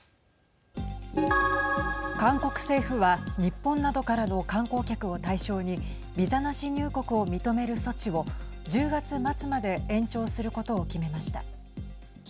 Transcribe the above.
韓国政府は日本などからの観光客を対象にビザなし入国を認める措置を１０月末まで延長することを決めました。